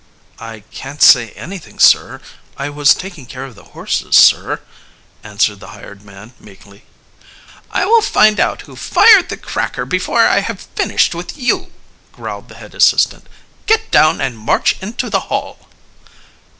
"I can't say anything, sir. I was taking care of the horses, sir," answered the hired man meekly. "I will find out who fired the cracker before I have finished with you," growled the head assistant. "Get down and march into the Hall."